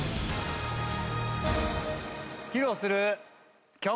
披露する曲。